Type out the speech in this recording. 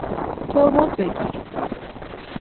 ترمز بگیر!